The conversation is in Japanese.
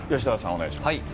お願いします。